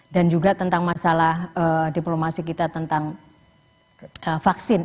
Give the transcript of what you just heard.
dan juga tentang masalah diplomasi kita tentang vaksin